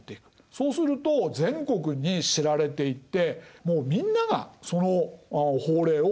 そうすると全国に知られていってもうみんながその法令を使うようになる。